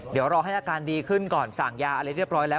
เดี๋ยวรอให้อาการดีขึ้นก่อนสั่งยาอะไรเรียบร้อยแล้ว